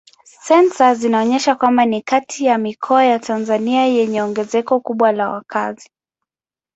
Sensa zinaonyesha kwamba ni kati ya mikoa ya Tanzania yenye ongezeko kubwa la wakazi.